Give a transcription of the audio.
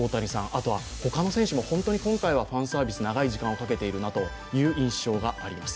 あとは他の選手たちも本当に今回はファンサービス、長い時間をかけているなという印象があります。